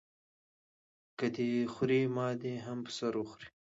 که دی خوري ما دې هم په سر وخوري.